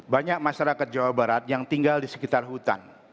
banyak masyarakat jawa barat yang tinggal di sekitar hutan